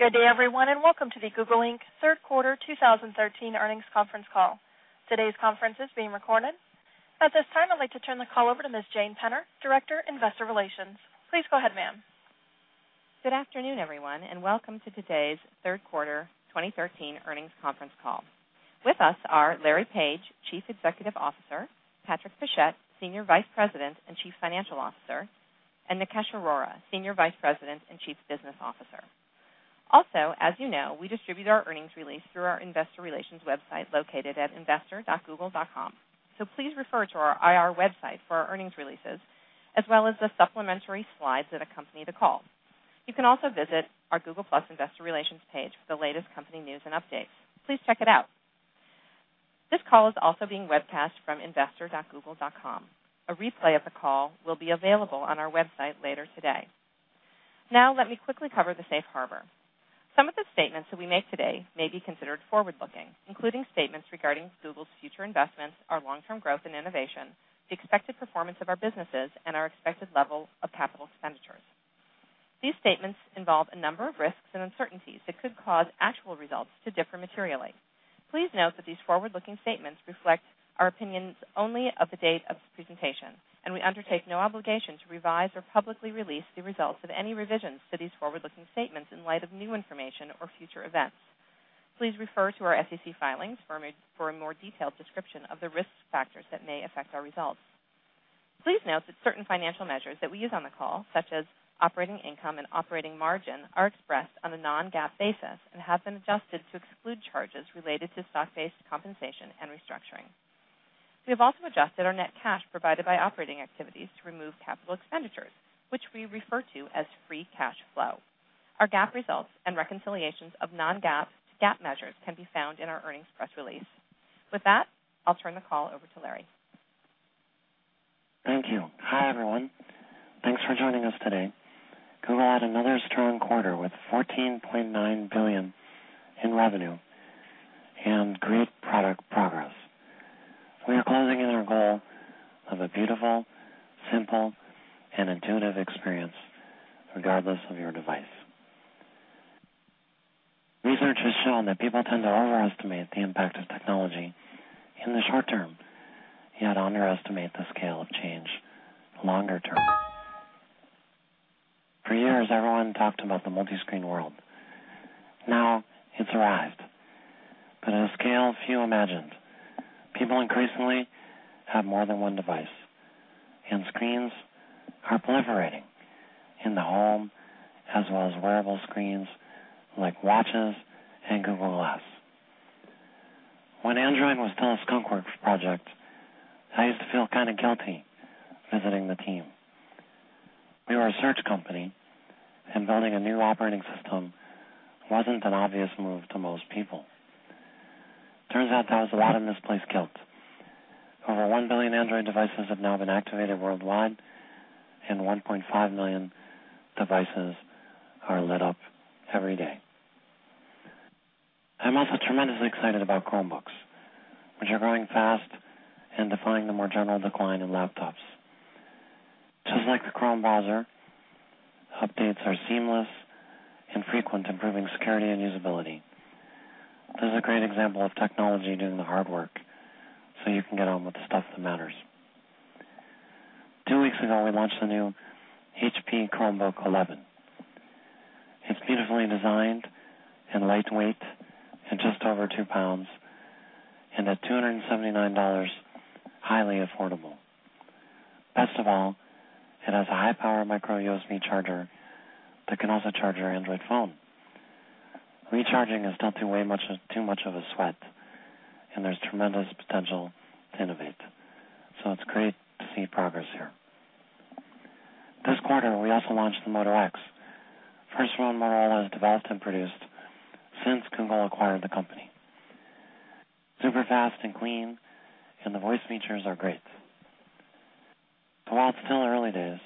Good day, everyone, and welcome to the Google Inc Third Quarter 2013 Earnings Conference Call. Today's conference is being recorded. At this time, I'd like to turn the call over to Ms. Jane Penner, Director, Investor Relations. Please go ahead, ma'am. Good afternoon, everyone, and welcome to today's Third Quarter 2013 Earnings Conference Call. With us are Larry Page, Chief Executive Officer, Patrick Pichette, Senior Vice President and Chief Financial Officer, and Nikesh Arora, Senior Vice President and Chief Business Officer. Also, as you know, we distribute our earnings release through our Investor Relations website located at investor.google.com. So please refer to our IR website for our earnings releases, as well as the supplementary slides that accompany the call. You can also visit our Google+ Investor Relations page for the latest company news and updates. Please check it out. This call is also being webcast from investor.google.com. A replay of the call will be available on our website later today. Now, let me quickly cover the safe harbor. Some of the statements that we make today may be considered forward-looking, including statements regarding Google's future investments, our long-term growth and innovation, the expected performance of our businesses, and our expected level of capital expenditures. These statements involve a number of risks and uncertainties that could cause actual results to differ materially. Please note that these forward-looking statements reflect our opinions only at the date of this presentation, and we undertake no obligation to revise or publicly release the results of any revisions to these forward-looking statements in light of new information or future events. Please refer to our SEC filings for a more detailed description of the risk factors that may affect our results. Please note that certain financial measures that we use on the call, such as operating income and operating margin, are expressed on a non-GAAP basis and have been adjusted to exclude charges related to stock-based compensation and restructuring. We have also adjusted our net cash provided by operating activities to remove capital expenditures, which we refer to as free cash flow. Our GAAP results and reconciliations of non-GAAP to GAAP measures can be found in our earnings press release. With that, I'll turn the call over to Larry. Thank you. Hi, everyone. Thanks for joining us today. Google had another strong quarter with $14.9 billion in revenue and great product progress. We are closing in our goal of a beautiful, simple, and intuitive experience regardless of your device. Research has shown that people tend to overestimate the impact of technology in the short term yet underestimate the scale of change longer term. For years, everyone talked about the multi-screen world. Now, it's arrived. But at a scale few imagined, people increasingly have more than one device, and screens are proliferating in the home as well as wearable screens like watches and Google Glass. When Android was still a skunkworks project, I used to feel kind of guilty visiting the team. We were a search company, and building a new operating system wasn't an obvious move to most people. Turns out there was a lot of misplaced guilt. Over 1 billion Android devices have now been activated worldwide, and 1.5 million devices are lit up every day. I'm also tremendously excited about Chromebooks, which are growing fast and defying the more general decline in laptops. Just like the Chrome browser, updates are seamless and frequent, improving security and usability. This is a great example of technology doing the hard work so you can get on with the stuff that matters. Two weeks ago, we launched the new HP Chromebook 11. It's beautifully designed and lightweight at just over 2 lbs and at $279, highly affordable. Best of all, it has a high-power micro USB charger that can also charge your Android phone. Recharging is not too much of a sweat, and there's tremendous potential to innovate. So it's great to see progress here. This quarter, we also launched the Moto X. First phone model was developed and produced since Google acquired the company. Super fast and clean, and the voice features are great. But while it's still early days,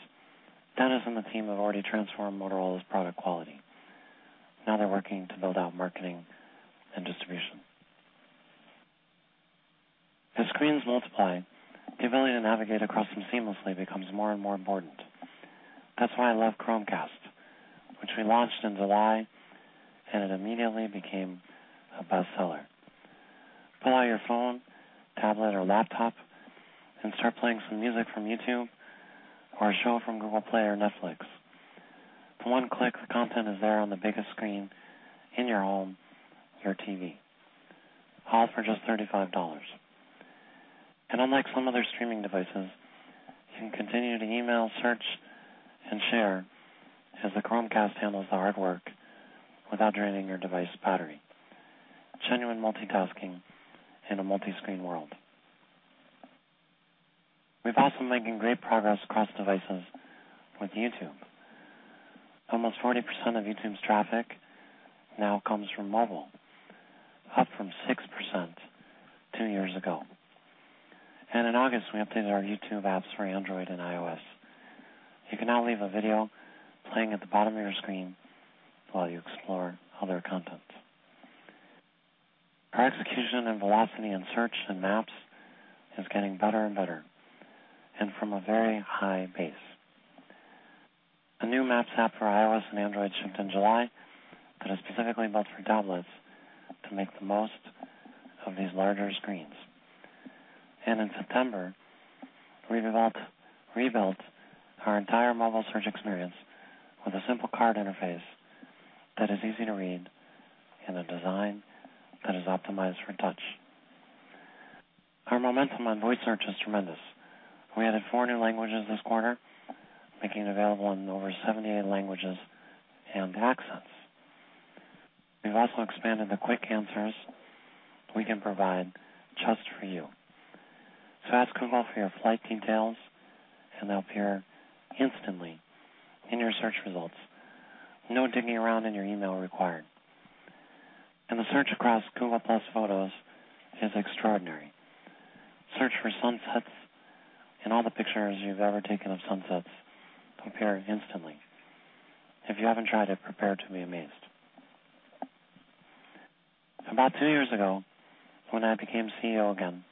Dennis and the team have already transformed Motorola's product quality. Now, they're working to build out marketing and distribution. As screens multiply, the ability to navigate across them seamlessly becomes more and more important. That's why I love Chromecast, which we launched in July, and it immediately became a bestseller. Pull out your phone, tablet, or laptop, and start playing some music from YouTube or a show from Google Play or Netflix. With one click, the content is there on the biggest screen in your home, your TV, all for just $35. And unlike some other streaming devices, you can continue to email, search, and share as the Chromecast handles the hard work without draining your device's battery. Genuine multitasking in a multi-screen world. We've also been making great progress across devices with YouTube. Almost 40% of YouTube's traffic now comes from mobile, up from 6% two years ago. In August, we updated our YouTube apps for Android and iOS. You can now leave a video playing at the bottom of your screen while you explore other content. Our execution and velocity in search and maps is getting better and better, and from a very high base. A new Maps app for iOS and Android shipped in July that is specifically built for tablets to make the most of these larger screens. In September, we rebuilt our entire mobile search experience with a simple card interface that is easy to read and a design that is optimized for touch. Our momentum on voice search is tremendous. We added four new languages this quarter, making it available in over 78 languages and accents. We've also expanded the quick answers we can provide just for you. So ask Google for your flight details, and they'll appear instantly in your search results. No digging around in your email required. And the search across Google+ Photos is extraordinary. Search for sunsets and all the pictures you've ever taken of sunsets appear instantly. If you haven't tried it, prepare to be amazed. About two years ago, when I became CEO again,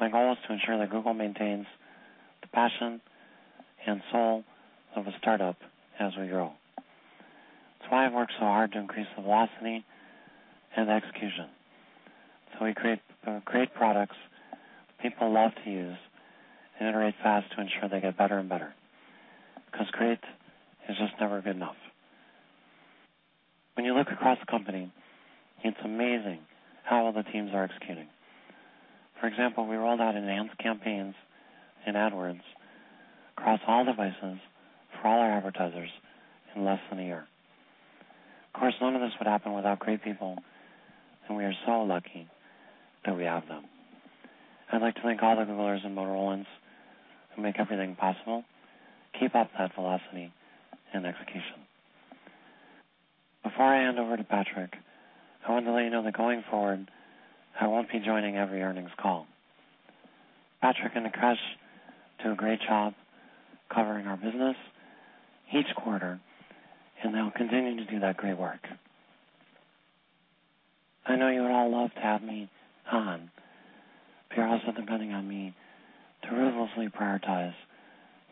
my goal was to ensure that Google maintains the passion and soul of a startup as we grow. That's why I've worked so hard to increase the velocity and the execution. So we create great products that people love to use and iterate fast to ensure they get better and better. Because great is just never good enough. When you look across the company, it's amazing how well the teams are executing. For example, we rolled out Enhanced Campaigns in AdWords across all devices for all our advertisers in less than a year. Of course, none of this would happen without great people, and we are so lucky that we have them. I'd like to thank all the Googlers and Motorolans who make everything possible. Keep up that velocity and execution. Before I hand over to Patrick, I want to let you know that going forward, I won't be joining every earnings call. Patrick and Nikesh do a great job covering our business each quarter, and they'll continue to do that great work. I know you would all love to have me on, but you're also depending on me to ruthlessly prioritize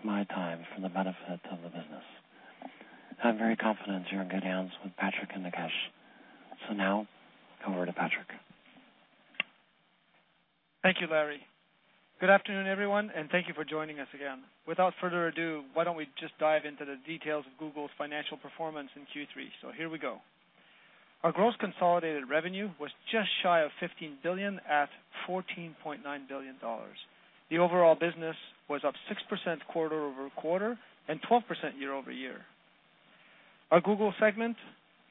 my time for the benefit of the business. I'm very confident you're in good hands with Patrick and Nikesh, so now, over to Patrick. Thank you, Larry. Good afternoon, everyone, and thank you for joining us again. Without further ado, why don't we just dive into the details of Google's financial performance in Q3? So here we go. Our gross consolidated revenue was just shy of $15 billion at $14.9 billion. The overall business was up 6% quarter over quarter and 12% year-over-year. Our Google segment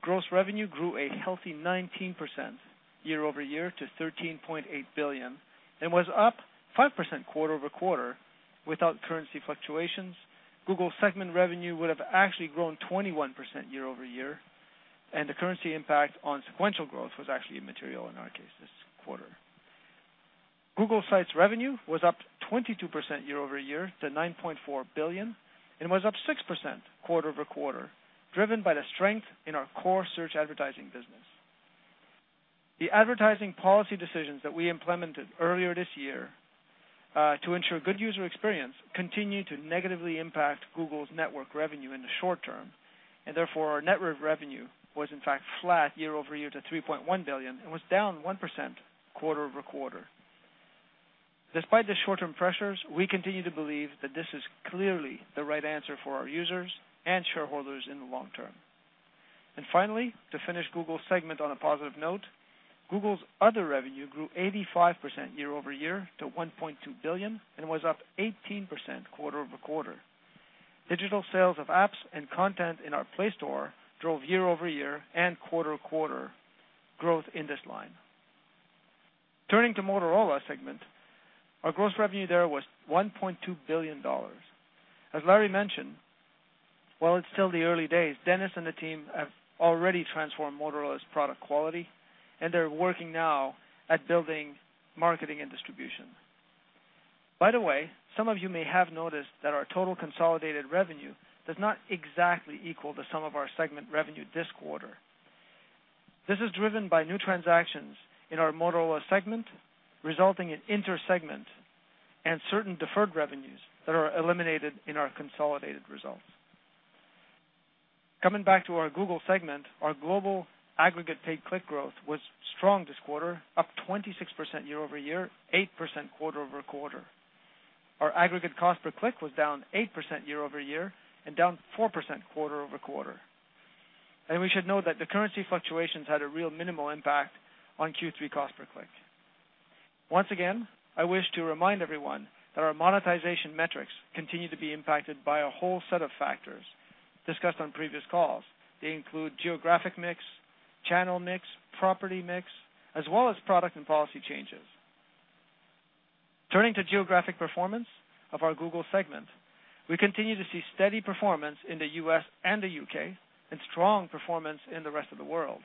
gross revenue grew a healthy 19% year-over-year to $13.8 billion and was up 5% quarter over quarter. Without currency fluctuations, Google segment revenue would have actually grown 21% year-over-year, and the currency impact on sequential growth was actually immaterial in our case this quarter. Google sites revenue was up 22% year-over-year to $9.4 billion and was up 6% quarter over quarter, driven by the strength in our core search advertising business. The advertising policy decisions that we implemented earlier this year to ensure good user experience continue to negatively impact Google's network revenue in the short term, and therefore our net revenue was, in fact, flat year-over-year to $3.1 billion and was down 1% quarter over quarter. Despite the short-term pressures, we continue to believe that this is clearly the right answer for our users and shareholders in the long term, and finally, to finish Google's segment on a positive note, Google's other revenue grew 85% year-over-year to $1.2 billion and was up 18% quarter over quarter. Digital sales of apps and content in our Play Store drove year-over-year and quarter over quarter growth in this line. Turning to Motorola segment, our gross revenue there was $1.2 billion. As Larry mentioned, while it's still the early days, Dennis and the team have already transformed Motorola's product quality, and they're working now at building marketing and distribution. By the way, some of you may have noticed that our total consolidated revenue does not exactly equal the sum of our segment revenue this quarter. This is driven by new transactions in our Motorola segment resulting in inter-segment and certain deferred revenues that are eliminated in our consolidated results. Coming back to our Google segment, our global aggregate paid click growth was strong this quarter, up 26% year-over-year, 8% quarter over quarter. Our aggregate cost per click was down 8% year-over-year and down 4% quarter over quarter. And we should note that the currency fluctuations had a real minimal impact on Q3 cost per click. Once again, I wish to remind everyone that our monetization metrics continue to be impacted by a whole set of factors discussed on previous calls. They include geographic mix, channel mix, property mix, as well as product and policy changes. Turning to geographic performance of our Google segment, we continue to see steady performance in the U.S. and the U.K. and strong performance in the rest of the world.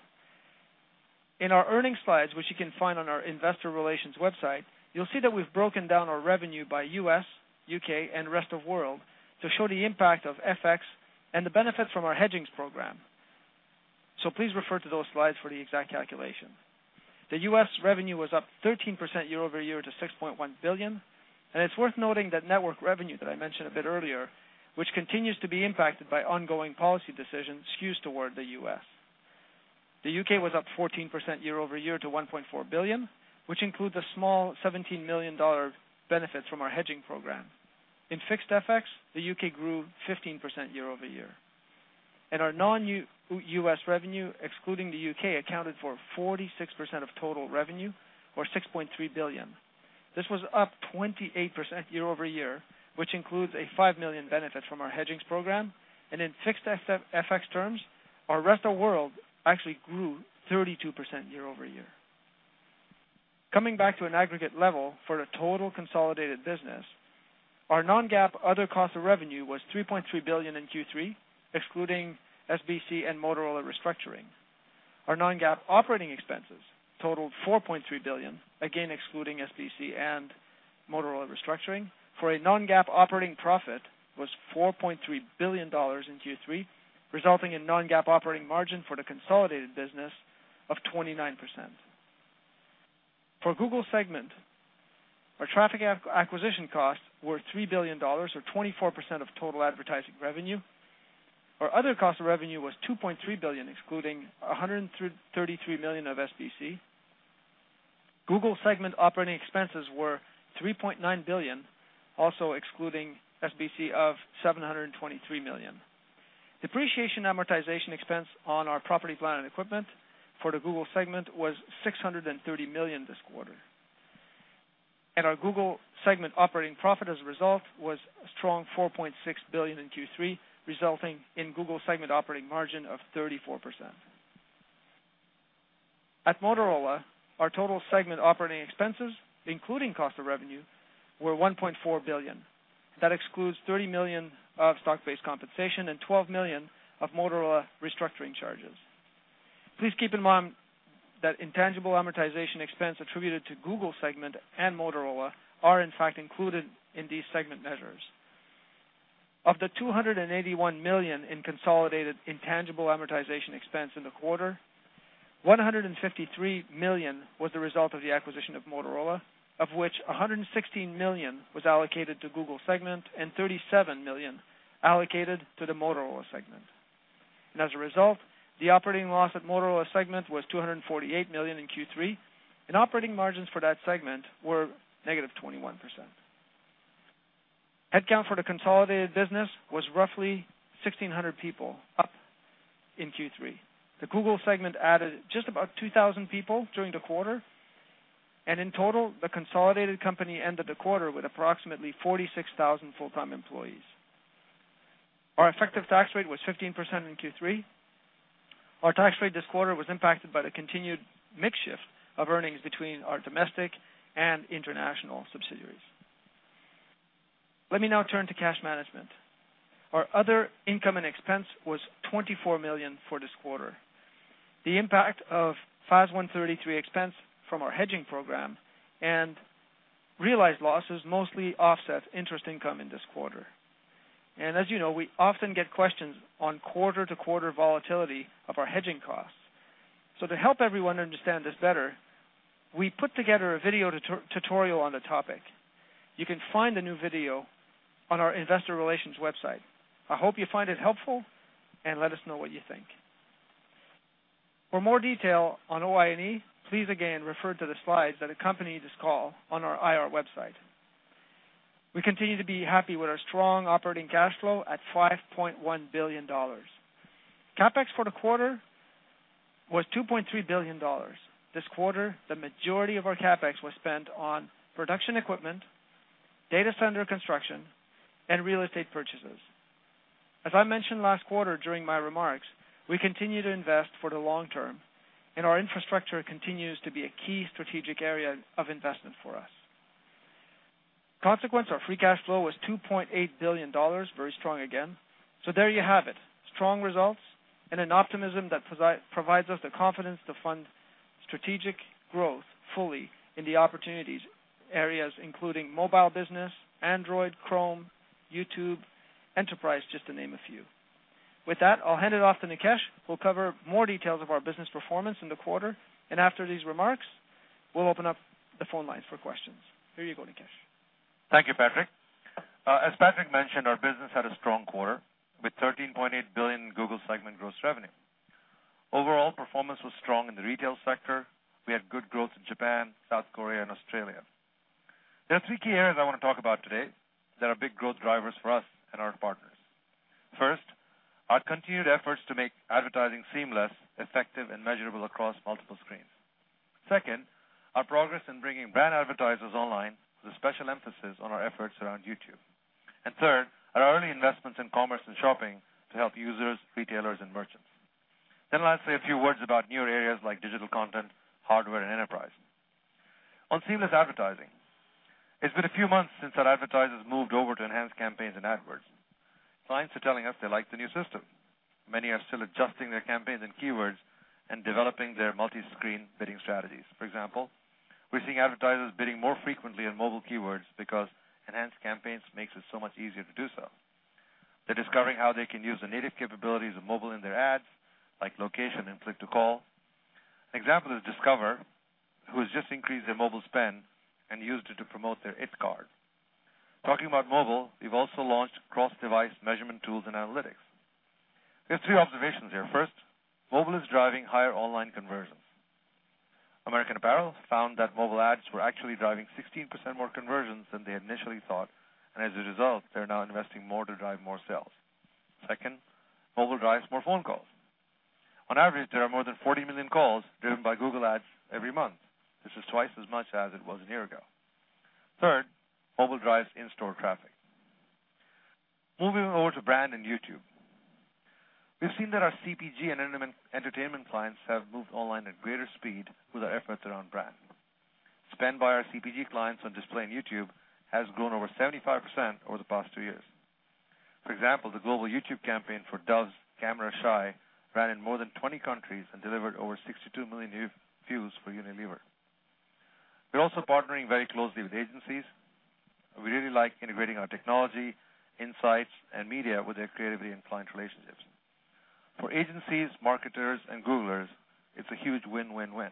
In our earnings slides, which you can find on our investor relations website, you'll see that we've broken down our revenue by U.S., U.K., and rest of world to show the impact of FX and the benefits from our hedging program. So please refer to those slides for the exact calculation. The U.S. revenue was up 13% year-over-year to $6.1 billion, and it's worth noting that network revenue that I mentioned a bit earlier, which continues to be impacted by ongoing policy decisions skewed toward the U.S. The U.K. was up 14% year-over-year to $1.4 billion, which includes a small $17 million benefit from our hedging program. In fixed FX, the U.K. grew 15% year-over-year. And our non-U.S. revenue, excluding the U.K., accounted for 46% of total revenue, or $6.3 billion. This was up 28% year-over-year, which includes a $5 million benefit from our hedging program. And in fixed FX terms, our rest of world actually grew 32% year-over-year. Coming back to an aggregate level for the total consolidated business, our non-GAAP other cost of revenue was $3.3 billion in Q3, excluding SBC and Motorola restructuring. Our non-GAAP operating expenses totaled $4.3 billion, again excluding SBC and Motorola restructuring. For a non-GAAP operating profit, it was $4.3 billion in Q3, resulting in non-GAAP operating margin for the consolidated business of 29%. For Google segment, our traffic acquisition costs were $3 billion, or 24% of total advertising revenue. Our other cost of revenue was $2.3 billion, excluding $133 million of SBC. Google segment operating expenses were $3.9 billion, also excluding SBC of $723 million. Depreciation and amortization expense on our property, plant and equipment for the Google segment was $630 million this quarter. And our Google segment operating profit as a result was a strong $4.6 billion in Q3, resulting in Google segment operating margin of 34%. At Motorola, our total segment operating expenses, including cost of revenue, were $1.4 billion. That excludes $30 million of stock-based compensation and $12 million of Motorola restructuring charges. Please keep in mind that intangible amortization expense attributed to Google segment and Motorola are, in fact, included in these segment measures. Of the $281 million in consolidated intangible amortization expense in the quarter, $153 million was the result of the acquisition of Motorola, of which $116 million was allocated to Google segment and $37 million allocated to the Motorola segment, and as a result, the operating loss at Motorola segment was $248 million in Q3, and operating margins for that segment were negative 21%. Headcount for the consolidated business was roughly 1,600 people, up in Q3. The Google segment added just about 2,000 people during the quarter, and in total, the consolidated company ended the quarter with approximately 46,000 full-time employees. Our effective tax rate was 15% in Q3. Our tax rate this quarter was impacted by the continued mix of earnings between our domestic and international subsidiaries. Let me now turn to cash management. Our other income and expense was $24 million for this quarter. The impact of FAS 133 expense from our hedging program and realized losses mostly offset interest income in this quarter. And as you know, we often get questions on quarter-to-quarter volatility of our hedging costs. So to help everyone understand this better, we put together a video tutorial on the topic. You can find the new video on our investor relations website. I hope you find it helpful and let us know what you think. For more detail on OI&E, please again refer to the slides that accompany this call on our IR website. We continue to be happy with our strong operating cash flow at $5.1 billion. CapEx for the quarter was $2.3 billion. This quarter, the majority of our CapEx was spent on production equipment, data center construction, and real estate purchases. As I mentioned last quarter during my remarks, we continue to invest for the long term, and our infrastructure continues to be a key strategic area of investment for us. Consequently, our free cash flow was $2.8 billion, very strong again. So there you have it: strong results and an optimism that provides us the confidence to fund strategic growth fully in the opportunities areas, including mobile business, Android, Chrome, YouTube, enterprise, just to name a few. With that, I'll hand it off to Nikesh. We'll cover more details of our business performance in the quarter. And after these remarks, we'll open up the phone lines for questions. Here you go, Nikesh. Thank you, Patrick. As Patrick mentioned, our business had a strong quarter with $13.8 billion in Google segment gross revenue. Overall performance was strong in the retail sector. We had good growth in Japan, South Korea, and Australia. There are three key areas I want to talk about today that are big growth drivers for us and our partners. First, our continued efforts to make advertising seamless, effective, and measurable across multiple screens. Second, our progress in bringing brand advertisers online with a special emphasis on our efforts around YouTube. And third, our early investments in commerce and shopping to help users, retailers, and merchants. Then lastly, a few words about newer areas like digital content, hardware, and enterprise. On seamless advertising, it's been a few months since our advertisers moved over to enhanced campaigns in AdWords. Clients are telling us they like the new system. Many are still adjusting their campaigns and keywords and developing their multi-screen bidding strategies. For example, we're seeing advertisers bidding more frequently on mobile keywords because enhanced campaigns make it so much easier to do so. They're discovering how they can use the native capabilities of mobile in their ads, like location and click-to-call. An example is Discover, who has just increased their mobile spend and used it to promote their It card. Talking about mobile, we've also launched cross-device measurement tools and analytics. We have three observations here. First, mobile is driving higher online conversions. American Apparel found that mobile ads were actually driving 16% more conversions than they initially thought, and as a result, they're now investing more to drive more sales. Second, mobile drives more phone calls. On average, there are more than 40 million calls driven by Google ads every month. This is twice as much as it was a year ago. Third, mobile drives in-store traffic. Moving over to brand and YouTube, we've seen that our CPG and entertainment clients have moved online at greater speed with our efforts around brand. Spend by our CPG clients on display and YouTube has grown over 75% over the past two years. For example, the global YouTube campaign for Dove's Camera Shy ran in more than 20 countries and delivered over 62 million views for Unilever. We're also partnering very closely with agencies. We really like integrating our technology, insights, and media with their creativity and client relationships. For agencies, marketers, and Googlers, it's a huge win-win-win.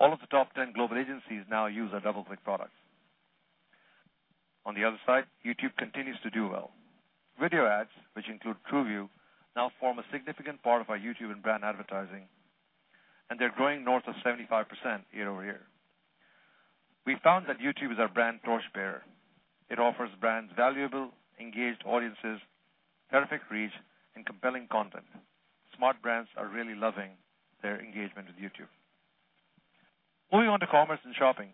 All of the top 10 global agencies now use our DoubleClick products. On the other side, YouTube continues to do well. Video ads, which include TrueView, now form a significant part of our YouTube and brand advertising, and they're growing north of 75% year-over-year. We found that YouTube is our brand torchbearer. It offers brands valuable, engaged audiences, terrific reach, and compelling content. Smart brands are really loving their engagement with YouTube. Moving on to commerce and shopping.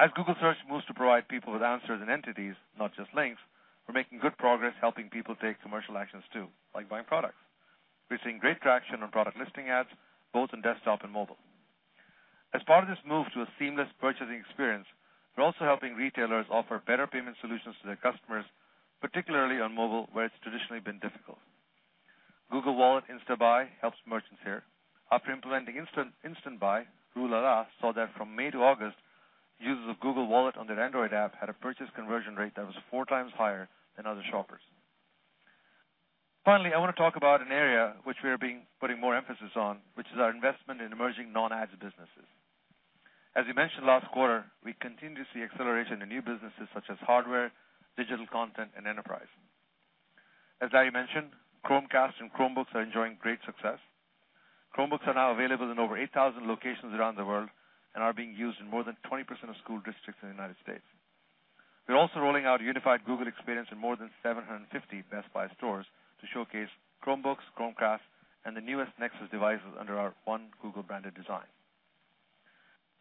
As Google Search moves to provide people with answers and entities, not just links, we're making good progress helping people take commercial actions too, like buying products. We're seeing great traction on Product Listing Ads, both on desktop and mobile. As part of this move to a seamless purchasing experience, we're also helping retailers offer better payment solutions to their customers, particularly on mobile, where it's traditionally been difficult. Google Wallet Instant Buy helps merchants here. After implementing Instant Buy, Rue La La saw that from May to August, users of Google Wallet on their Android app had a purchase conversion rate that was four times higher than other shoppers. Finally, I want to talk about an area which we are putting more emphasis on, which is our investment in emerging non-ad businesses. As you mentioned last quarter, we continue to see acceleration in new businesses such as hardware, digital content, and enterprise. As Larry mentioned, Chromecast and Chromebooks are enjoying great success. Chromebooks are now available in over 8,000 locations around the world and are being used in more than 20% of school districts in the United States. We're also rolling out a unified Google experience in more than 750 Best Buy stores to showcase Chromebooks, Chromecasts, and the newest Nexus devices under our one Google-branded design.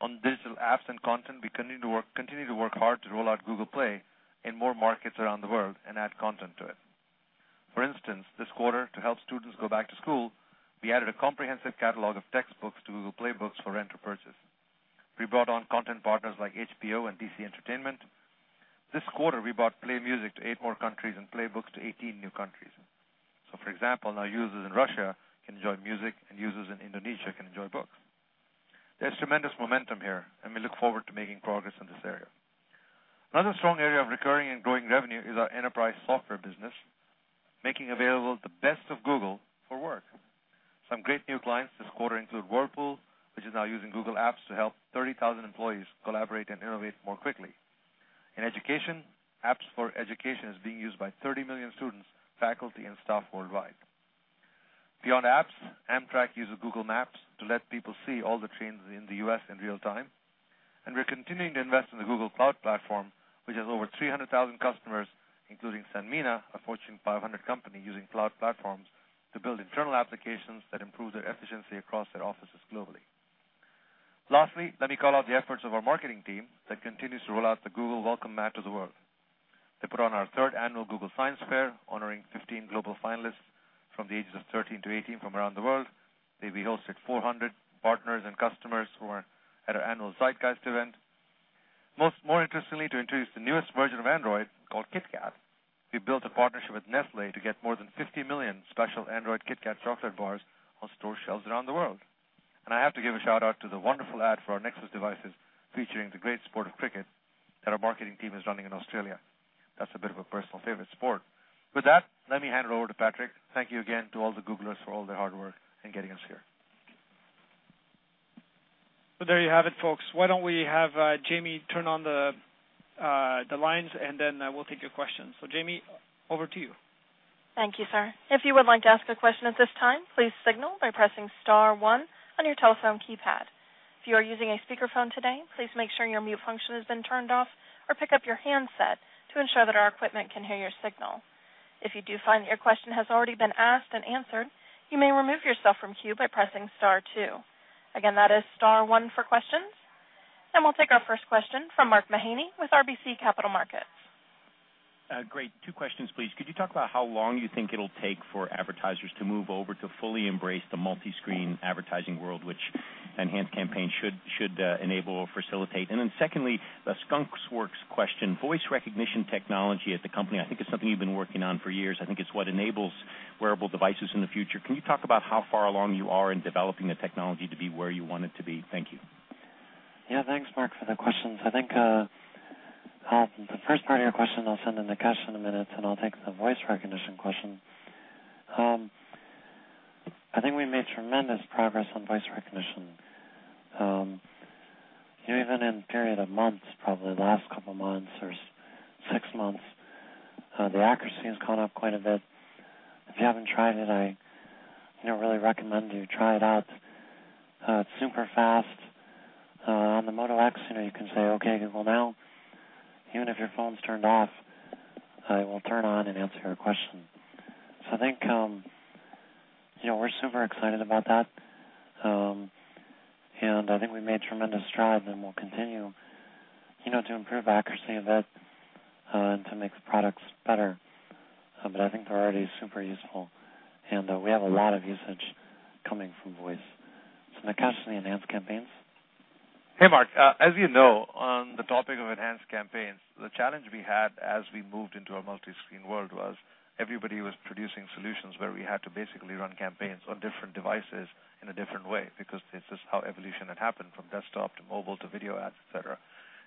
On digital apps and content, we continue to work hard to roll out Google Play in more markets around the world and add content to it. For instance, this quarter, to help students go back to school, we added a comprehensive catalog of textbooks to Google Play Books for rent or purchase. We brought on content partners like HBO and DC Entertainment. This quarter, we brought Play Music to eight more countries and Play Books to 18 new countries. So, for example, now users in Russia can enjoy music, and users in Indonesia can enjoy books. There's tremendous momentum here, and we look forward to making progress in this area. Another strong area of recurring and growing revenue is our enterprise software business, making available the best of Google for work. Some great new clients this quarter include Whirlpool, which is now using Google Apps to help 30,000 employees collaborate and innovate more quickly. In education, apps for education are being used by 30 million students, faculty, and staff worldwide. Beyond apps, Amtrak uses Google Maps to let people see all the trains in the U.S. in real time. And we're continuing to invest in the Google Cloud Platform, which has over 300,000 customers, including Sanmina, a Fortune 500 company using cloud platforms to build internal applications that improve their efficiency across their offices globally. Lastly, let me call out the efforts of our marketing team that continues to roll out the Google welcome mat to the world. They put on our third annual Google Science Fair, honoring 15 global finalists from the ages of 13 to 18 from around the world. They've rehosted 400 partners and customers who are at our annual Zeitgeist event. More interestingly, to introduce the newest version of Android, called KitKat, we built a partnership with Nestlé to get more than 50 million special Android KitKat chocolate bars on store shelves around the world. And I have to give a shout-out to the wonderful ad for our Nexus devices featuring the great sport of cricket that our marketing team is running in Australia. That's a bit of a personal favorite sport. With that, let me hand it over to Patrick. Thank you again to all the Googlers for all their hard work in getting us here. So there you have it, folks. Why don't we have Jamie turn on the lines, and then we'll take your questions. So Jamie, over to you. Thank you, sir. If you would like to ask a question at this time, please signal by pressing Star 1 on your telephone keypad. If you are using a speakerphone today, please make sure your mute function has been turned off or pick up your handset to ensure that our equipment can hear your signal. If you do find that your question has already been asked and answered, you may remove yourself from queue by pressing Star 2. Again, that is Star 1 for questions, and we'll take our first question from Mark Mahaney with RBC Capital Markets. Great. Two questions, please. Could you talk about how long you think it'll take for advertisers to move over to fully embrace the multi-screen advertising world, which enhanced campaigns should enable or facilitate? And then secondly, the Skunk Works question: voice recognition technology at the company, I think it's something you've been working on for years. I think it's what enables wearable devices in the future. Can you talk about how far along you are in developing the technology to be where you want it to be? Thank you. Yeah, thanks, Mark, for the questions. I think the first part of your question, I'll send to Nikesh in a minute, and I'll take the voice recognition question. I think we made tremendous progress on voice recognition. Even in a period of months, probably the last couple of months or six months, the accuracy has gone up quite a bit. If you haven't tried it, I really recommend you try it out. It's super fast. On the Moto X, you can say, "Okay, Google Now," even if your phone's turned off, it will turn on and answer your question. So I think we're super excited about that. And I think we made tremendous strides, and we'll continue to improve accuracy a bit and to make the products better. But I think they're already super useful, and we have a lot of usage coming from voice. So Nikesh, any Enhanced Campaigns? Hey, Mark. As you know, on the topic of enhanced campaigns, the challenge we had as we moved into a multi-screen world was everybody was producing solutions where we had to basically run campaigns on different devices in a different way because this is how evolution had happened from desktop to mobile to video ads, etc.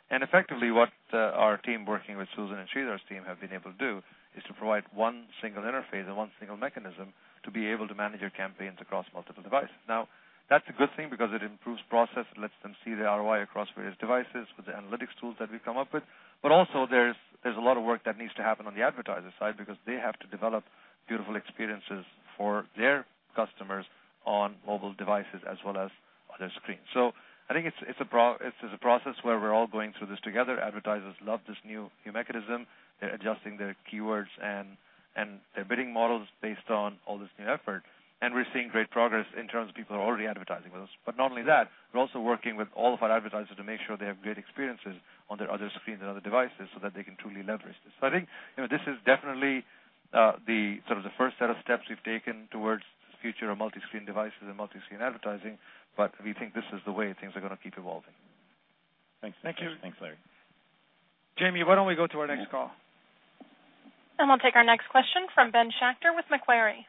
And effectively, what our team working with Susan and Sridhar's team have been able to do is to provide one single interface and one single mechanism to be able to manage your campaigns across multiple devices. Now, that's a good thing because it improves process. It lets them see the ROI across various devices with the analytics tools that we've come up with. But also, there's a lot of work that needs to happen on the advertiser side because they have to develop beautiful experiences for their customers on mobile devices as well as other screens. So I think it's a process where we're all going through this together. Advertisers love this new mechanism. They're adjusting their keywords and their bidding models based on all this new effort. And we're seeing great progress in terms of people who are already advertising with us. But not only that, we're also working with all of our advertisers to make sure they have great experiences on their other screens and other devices so that they can truly leverage this. So I think this is definitely sort of the first set of steps we've taken towards the future of multi-screen devices and multi-screen advertising. But we think this is the way things are going to keep evolving. Thanks. Thank you. Thanks, Larry. Jamie, why don't we go to our next call? We'll take our next question from Ben Schachter with Macquarie.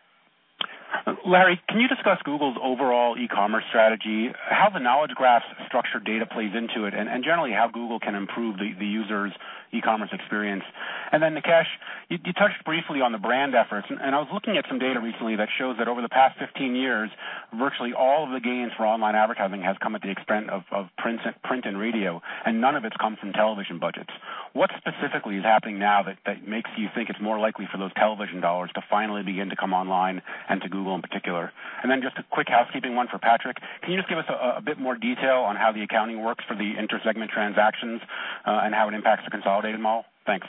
Larry, can you discuss Google's overall e-commerce strategy? How the Knowledge Graph structured data plays into it, and generally how Google can improve the user's e-commerce experience? And then Nikesh, you touched briefly on the brand efforts. And I was looking at some data recently that shows that over the past 15 years, virtually all of the gains for online advertising have come at the expense of print and radio, and none of it's come from television budgets. What specifically is happening now that makes you think it's more likely for those television dollars to finally begin to come online and to Google in particular? And then just a quick housekeeping one for Patrick. Can you just give us a bit more detail on how the accounting works for the inter-segment transactions and how it impacts the consolidated model? Thanks.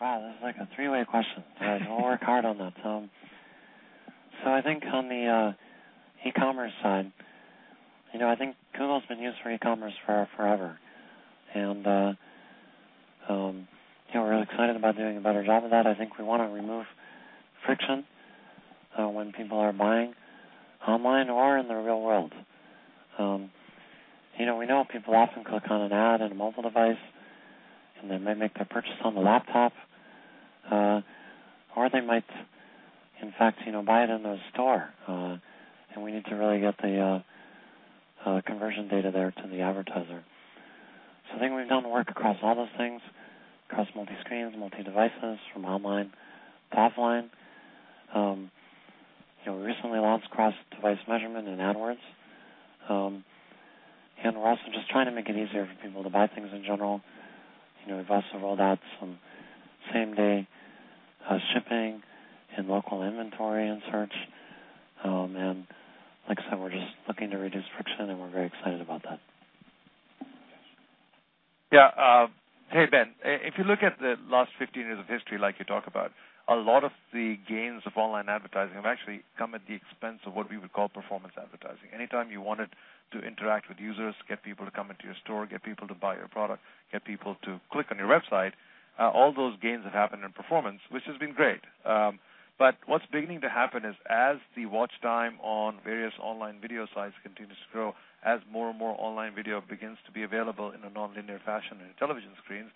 Wow, this is like a three-way question. So I'll work hard on that. So I think on the e-commerce side, I think Google's been used for e-commerce forever. And we're excited about doing a better job of that. I think we want to remove friction when people are buying online or in the real world. We know people often click on an ad on a mobile device, and they may make their purchase on the laptop, or they might, in fact, buy it in the store. And we need to really get the conversion data there to the advertiser. So I think we've done work across all those things, across multi-screens, multi-devices, from online to offline. We recently launched cross-device measurement in AdWords. And we're also just trying to make it easier for people to buy things in general. We've also rolled out some same-day shipping and local inventory and search, and like I said, we're just looking to reduce friction, and we're very excited about that. Yeah. Hey, Ben, if you look at the last 15 years of history like you talk about, a lot of the gains of online advertising have actually come at the expense of what we would call performance advertising. Anytime you wanted to interact with users, get people to come into your store, get people to buy your product, get people to click on your website, all those gains have happened in performance, which has been great. What's beginning to happen is as the watch time on various online video sites continues to grow, as more and more online video begins to be available in a non-linear fashion on television screens,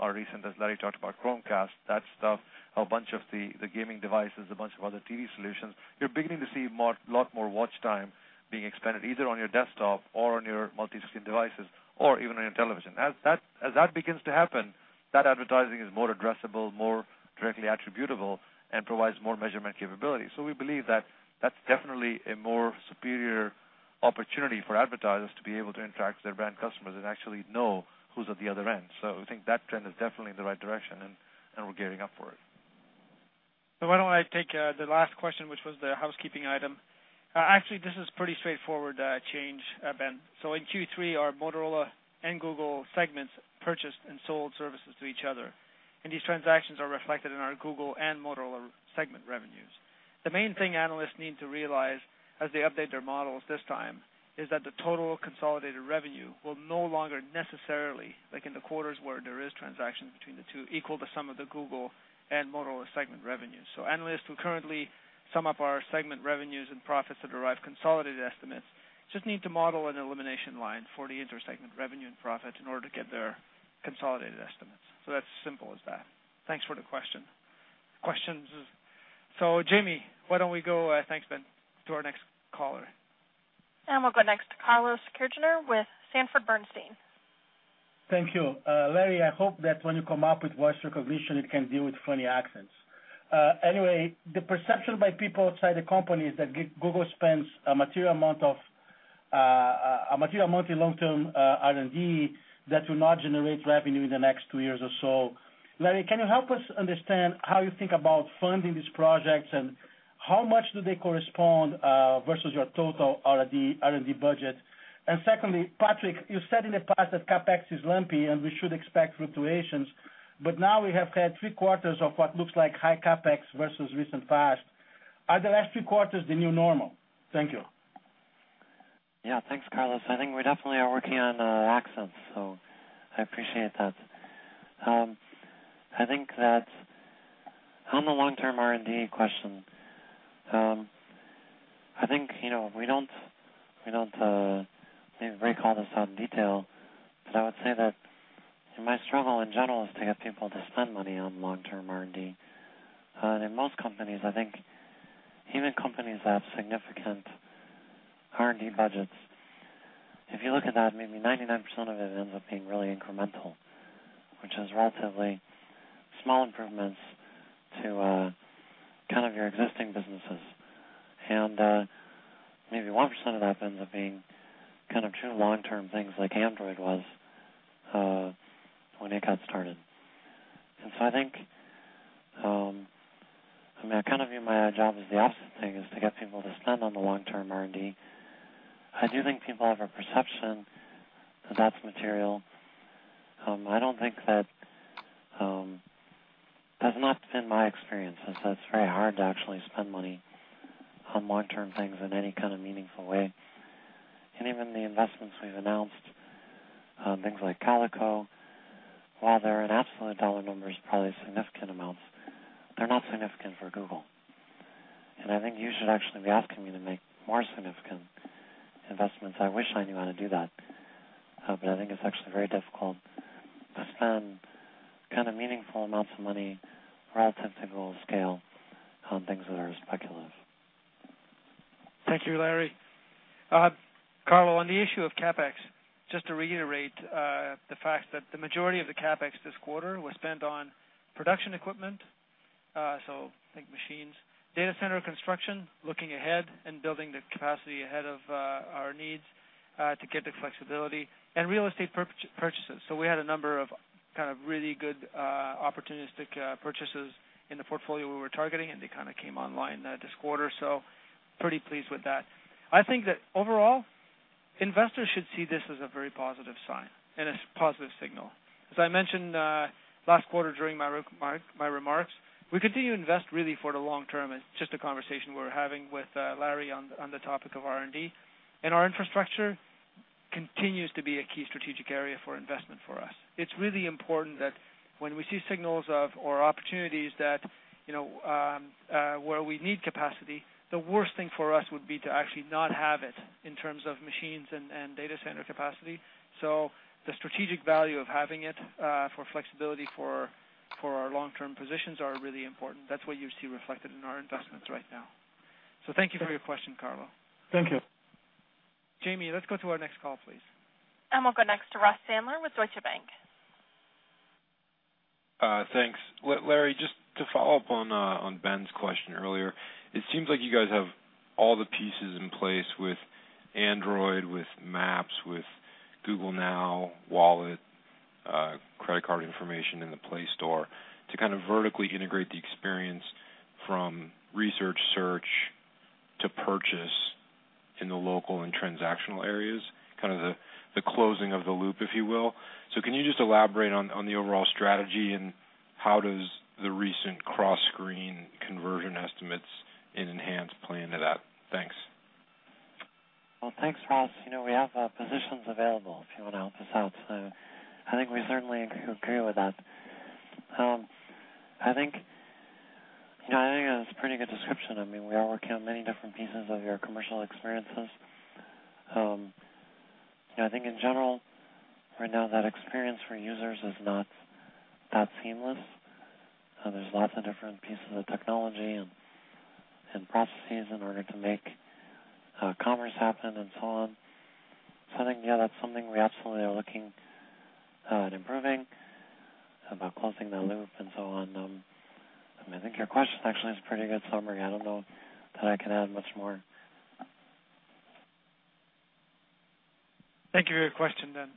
our recent, as Larry talked about, Chromecast, that stuff, a bunch of the gaming devices, a bunch of other TV solutions, you're beginning to see a lot more watch time being expanded either on your desktop or on your multi-screen devices or even on your television. As that begins to happen, that advertising is more addressable, more directly attributable, and provides more measurement capability. We believe that that's definitely a more superior opportunity for advertisers to be able to interact with their brand customers and actually know who's at the other end. I think that trend is definitely in the right direction, and we're gearing up for it. So why don't I take the last question, which was the housekeeping item? Actually, this is a pretty straightforward change, Ben. So in Q3, our Motorola and Google segments purchased and sold services to each other. And these transactions are reflected in our Google and Motorola segment revenues. The main thing analysts need to realize as they update their models this time is that the total consolidated revenue will no longer necessarily, like in the quarters where there is transaction between the two, equal the sum of the Google and Motorola segment revenues. So analysts who currently sum up our segment revenues and profits that derive consolidated estimates just need to model an elimination line for the inter-segment revenue and profit in order to get their consolidated estimates. So that's as simple as that. Thanks for the question. So Jamie, why don't we go, thanks, Ben, to our next caller. We'll go next to Carlos Kirjner with Sanford C. Bernstein. Thank you. Larry, I hope that when you come up with voice recognition, it can deal with funny accents. Anyway, the perception by people outside the company is that Google spends a material amount in long-term R&D that will not generate revenue in the next two years or so. Larry, can you help us understand how you think about funding these projects and how much do they correspond versus your total R&D budget? And secondly, Patrick, you said in the past that CapEx is lumpy and we should expect fluctuations. But now we have had three quarters of what looks like high CapEx versus recent past. Are the last three quarters the new normal? Thank you. Yeah, thanks, Carlos. I think we definitely are working on accents, so I appreciate that. I think that on the long-term R&D question, I think we don't maybe break all this out in detail, but I would say that my struggle in general is to get people to spend money on long-term R&D. And in most companies, I think even companies that have significant R&D budgets, if you look at that, maybe 99% of it ends up being really incremental, which is relatively small improvements to kind of your existing businesses. And maybe 1% of that ends up being kind of true long-term things like Android was when it got started. And so I think I mean, I kind of view my job as the opposite thing, is to get people to spend on the long-term R&D. I do think people have a perception that that's material. I don't think that that's not been my experience. It's very hard to actually spend money on long-term things in any kind of meaningful way, and even the investments we've announced, things like Calico, while they're an absolute dollar number, it's probably significant amounts, they're not significant for Google, and I think you should actually be asking me to make more significant investments. I wish I knew how to do that, but I think it's actually very difficult to spend kind of meaningful amounts of money relative to Google scale on things that are speculative. Thank you, Larry. Carlo, on the issue of CapEx, just to reiterate the fact that the majority of the CapEx this quarter was spent on production equipment, so I think machines, data center construction, looking ahead and building the capacity ahead of our needs to get the flexibility, and real estate purchases. So we had a number of kind of really good opportunistic purchases in the portfolio we were targeting, and they kind of came online this quarter. So pretty pleased with that. I think that overall, investors should see this as a very positive sign and a positive signal. As I mentioned last quarter during my remarks, we continue to invest really for the long term. It's just a conversation we're having with Larry on the topic of R&D. And our infrastructure continues to be a key strategic area for investment for us. It's really important that when we see signals or opportunities where we need capacity, the worst thing for us would be to actually not have it in terms of machines and data center capacity. So the strategic value of having it for flexibility for our long-term positions are really important. That's what you see reflected in our investments right now. So thank you for your question, Carlo. Thank you. Jamie, let's go to our next call, please. We'll go next to Ross Sandler with Deutsche Bank. Thanks. Larry, just to follow up on Ben's question earlier, it seems like you guys have all the pieces in place with Android, with Maps, with Google Now, Wallet, credit card information in the Play Store to kind of vertically integrate the experience from research, search, to purchase in the local and transactional areas, kind of the closing of the loop, if you will. So can you just elaborate on the overall strategy and how does the recent cross-screen conversion estimates and enhanced play into that? Thanks. Thanks, Ross. We have positions available if you want to help us out. So I think we certainly agree with that. I think it was a pretty good description. I mean, we are working on many different pieces of your commercial experiences. I think in general, right now, that experience for users is not that seamless. There's lots of different pieces of technology and processes in order to make commerce happen and so on. So I think, yeah, that's something we absolutely are looking at improving about closing that loop and so on. I mean, I think your question actually is a pretty good summary. I don't know that I can add much more. Thank you for your question, then,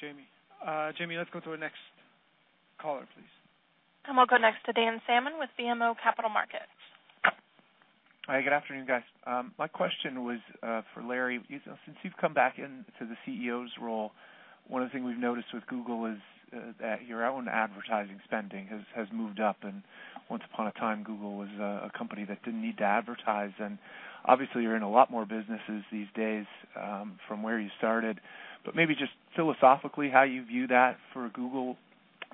Jamie. Jamie, let's go to our next caller, please. We'll go next to Dan Salmon with BMO Capital Markets. Hi, good afternoon, guys. My question was for Larry. Since you've come back into the CEO's role, one of the things we've noticed with Google is that your own advertising spending has moved up. And once upon a time, Google was a company that didn't need to advertise. And obviously, you're in a lot more businesses these days from where you started. But maybe just philosophically, how you view that for Google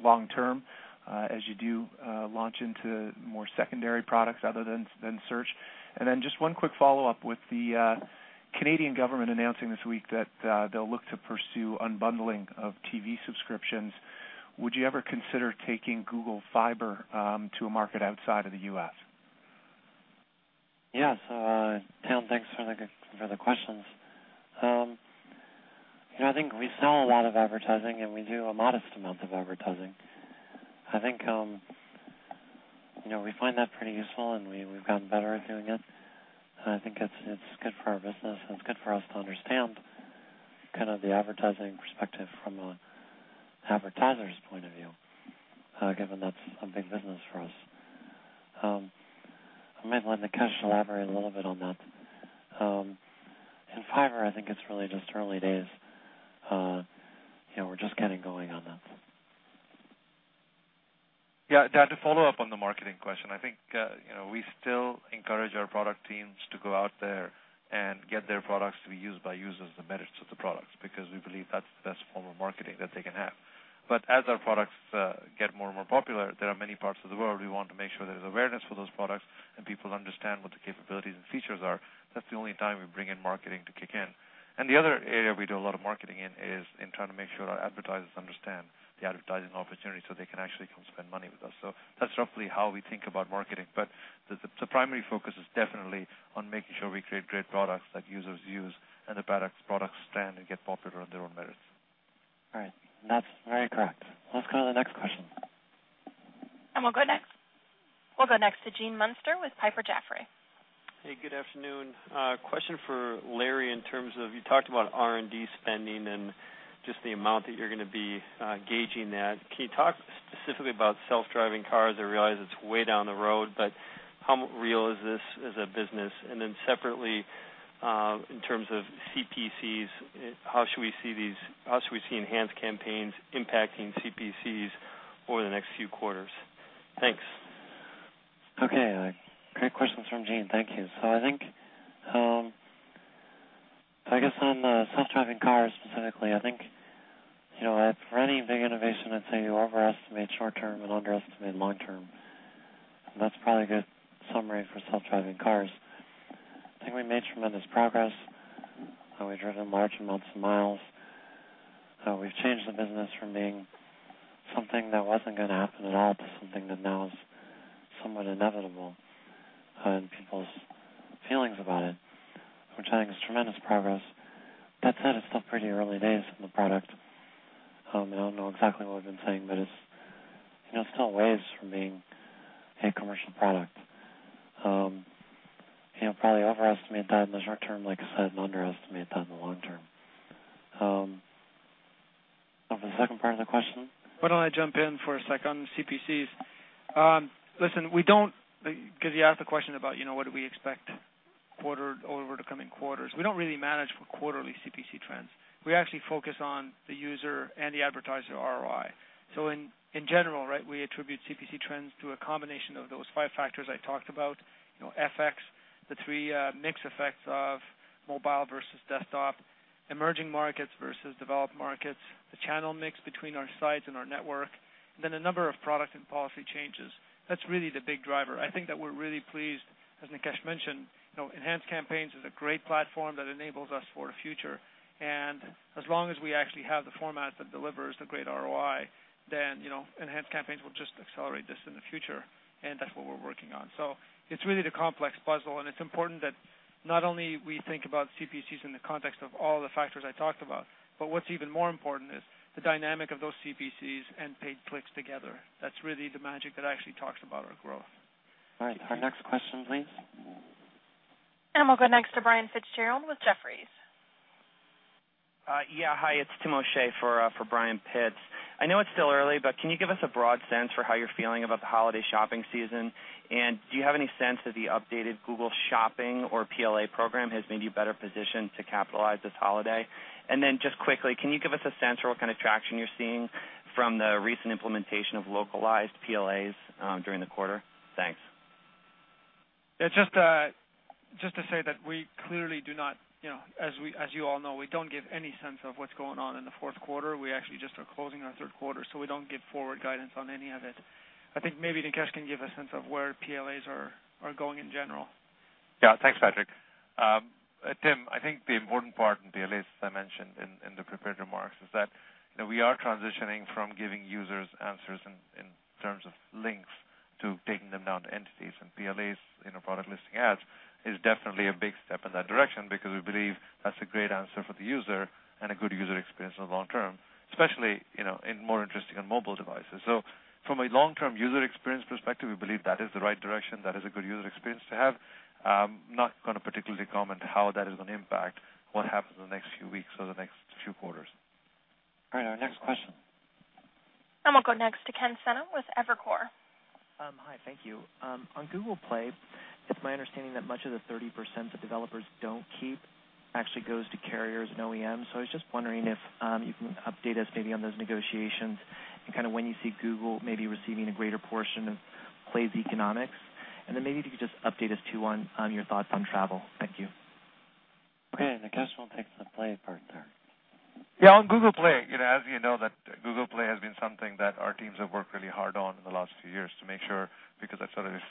long-term as you do launch into more secondary products other than search. And then just one quick follow-up with the Canadian government announcing this week that they'll look to pursue unbundling of TV subscriptions. Would you ever consider taking Google Fiber to a market outside of the U.S.? Yes. Dan, thanks for the questions. I think we sell a lot of advertising, and we do a modest amount of advertising. I think we find that pretty useful, and we've gotten better at doing it. I think it's good for our business, and it's good for us to understand kind of the advertising perspective from an advertiser's point of view, given that's a big business for us. I might let Nikesh elaborate a little bit on that. In Fiber, I think it's really just early days. We're just getting going on that. Yeah. To follow up on the marketing question, I think we still encourage our product teams to go out there and get their products to be used by users, the merits of the products, because we believe that's the best form of marketing that they can have. But as our products get more and more popular, there are many parts of the world we want to make sure there's awareness for those products and people understand what the capabilities and features are. That's the only time we bring in marketing to kick in. And the other area we do a lot of marketing in is in trying to make sure our advertisers understand the advertising opportunity so they can actually come spend money with us. So that's roughly how we think about marketing. But the primary focus is definitely on making sure we create great products that users use and the products stand and get popular on their own merits. All right. That's very correct. Let's go to the next question. We'll go next to Gene Munster with Piper Jaffray. Hey, good afternoon. Question for Larry in terms of you talked about R&D spending and just the amount that you're going to be gauging that. Can you talk specifically about self-driving cars? I realize it's way down the road, but how real is this as a business? And then separately, in terms of CPCs, how should we see Enhanced Campaigns impacting CPCs over the next few quarters? Thanks. Okay. Great questions from Gene. Thank you. So I think, I guess, on the self-driving cars specifically, I think for any big innovation, I'd say you overestimate short-term and underestimate long-term. That's probably a good summary for self-driving cars. I think we made tremendous progress. We've driven large amounts of miles. We've changed the business from being something that wasn't going to happen at all to something that now is somewhat inevitable in people's feelings about it, which I think is tremendous progress. That said, it's still pretty early days in the product. I don't know exactly what we've been saying, but it's still a ways from being a commercial product. Probably overestimate that in the short-term, like I said, and underestimate that in the long-term. For the second part of the question. Why don't I jump in for a second on CPCs? Listen, we don't, because you asked the question about what do we expect over the coming quarters. We don't really manage for quarterly CPC trends. We actually focus on the user and the advertiser ROI. So in general, right, we attribute CPC trends to a combination of those five factors I talked about, FX, the three mix effects of mobile versus desktop, emerging markets versus developed markets, the channel mix between our sites and our network, and then a number of product and policy changes. That's really the big driver. I think that we're really pleased, as Nikesh mentioned. Enhanced Campaigns is a great platform that enables us for the future. And as long as we actually have the format that delivers the great ROI, then Enhanced Campaigns will just accelerate this in the future. And that's what we're working on. So it's really the complex puzzle. And it's important that not only we think about CPCs in the context of all the factors I talked about, but what's even more important is the dynamic of those CPCs and paid clicks together. That's really the magic that actually talks about our growth. All right. Our next question, please. We'll go next to Brian Fitzgerald with Jefferies. Yeah. Hi, it's Tim O'Shea for Brian Fitzgerald. I know it's still early, but can you give us a broad sense for how you're feeling about the holiday shopping season? And do you have any sense that the updated Google Shopping or PLA program has made you better positioned to capitalize this holiday? And then just quickly, can you give us a sense for what kind of traction you're seeing from the recent implementation of localized PLAs during the quarter? Thanks. Just to say that we clearly do not, as you all know, we don't give any sense of what's going on in the fourth quarter. We actually just are closing our third quarter, so we don't give forward guidance on any of it. I think maybe Nikesh can give a sense of where PLAs are going in general. Yeah. Thanks, Patrick. Tim, I think the important part in PLAs, as I mentioned in the prepared remarks, is that we are transitioning from giving users answers in terms of links to taking them down to entities, and PLAs, product listing ads, is definitely a big step in that direction because we believe that's a great answer for the user and a good user experience in the long term, especially in more interesting on mobile devices, so from a long-term user experience perspective, we believe that is the right direction. That is a good user experience to have. I'm not going to particularly comment on how that is going to impact what happens in the next few weeks or the next few quarters. All right. Our next question. We'll go next to Ken Sena with Evercore. Hi. Thank you. On Google Play, it's my understanding that much of the 30% that developers don't keep actually goes to carriers and OEMs. So I was just wondering if you can update us maybe on those negotiations and kind of when you see Google maybe receiving a greater portion of Play's economics. And then maybe if you could just update us too on your thoughts on travel. Thank you. Okay. Nikesh will take the Play part there. Yeah. On Google Play, as you know, Google Play has been something that our teams have worked really hard on in the last few years to make sure because it